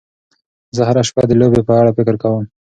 زه هره شپه د لوبې په اړه فکر کوم.